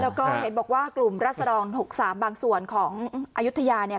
แล้วก็เห็นบอกว่ากลุ่มรัศดร๖๓บางส่วนของอายุทยาเนี่ย